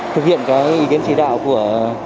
thực hiện cái ý kiến chỉ đạo của